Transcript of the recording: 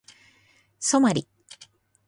ソマリ